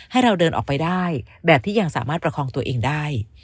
ให้เราเดินออกไปได้แบบที่ยังสามารถประคองตัวเองได้